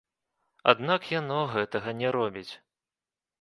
Аднак яно гэтага не робіць.